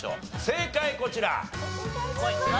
正解こちら。